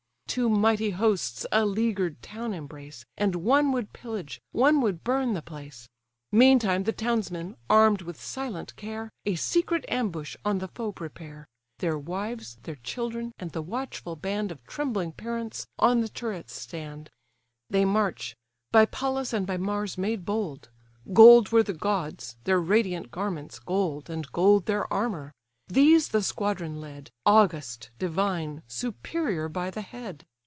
Two mighty hosts a leaguer'd town embrace, And one would pillage, one would burn the place. Meantime the townsmen, arm'd with silent care, A secret ambush on the foe prepare: Their wives, their children, and the watchful band Of trembling parents, on the turrets stand. They march; by Pallas and by Mars made bold: Gold were the gods, their radiant garments gold, And gold their armour: these the squadron led, August, divine, superior by the head!